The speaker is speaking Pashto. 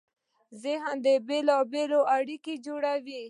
ذهن بېلابېلې اړیکې جوړوي.